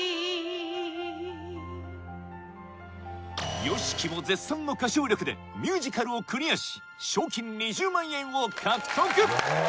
ＹＯＳＨＩＫＩも絶賛の歌唱力でミュージカルをクリアし賞金２０万円を獲得！